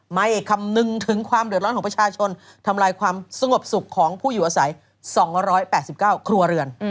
ไม่คำนึงถึงความเดือดร้อนของประชาชนทำลายความสงบสุขของผู้อยู่อาศัย๒๘๙ครัวเรือน